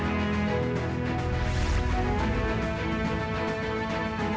hanya hukum keindahkan